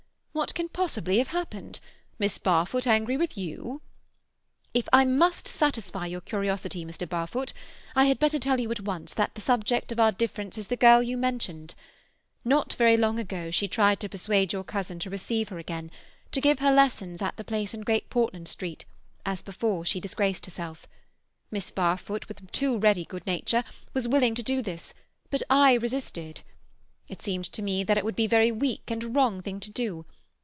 What can possibly have happened? Miss Barfoot angry with you?" "If I must satisfy your curiosity, Mr. Barfoot, I had better tell you at once that the subject of our difference is the girl you mentioned. Not very long ago she tried to persuade your cousin to receive her again—to give her lessons at the place in Great Portland Street, as before she disgraced herself. Miss Barfoot, with too ready good nature, was willing to do this, but I resisted. It seemed to me that it would be a very weak and wrong thing to do.